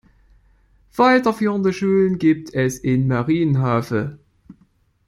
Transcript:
Weiterführende Schulen gibt es in Marienhafe.